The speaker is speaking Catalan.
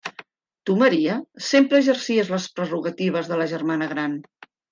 Tu, Maria, sempre exercies les prerrogatives de la germana gran.